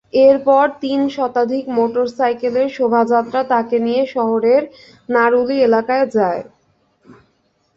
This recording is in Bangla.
এরপর তিন শতাধিক মোটরসাইকেলের শোভাযাত্রা তাঁকে নিয়ে শহরের নারুলী এলাকায় যায়।